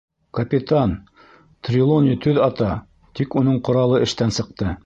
— Капитан, Трелони төҙ ата, тик уның ҡоралы эштән сыҡты.